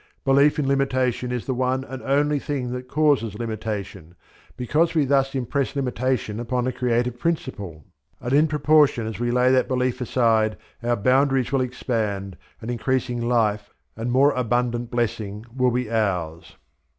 Belief in limitation is the one and only thing that causes limitation, because we thus impress limitation upon the creative principle; and in proportion as we lay that belief aside our boundaries will expand, and increasing life and more abundant blessing will be ours.